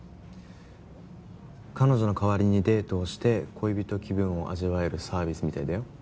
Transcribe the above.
彼女の代わりにデートをして恋人気分を味わえるサービスみたいだよ。